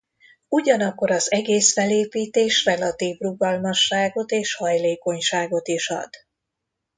Ugyanakkor az egész felépítés relatív rugalmasságot és hajlékonyságot is ad.